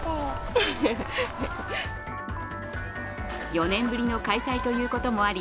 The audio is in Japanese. ４年ぶりの開催ということもあり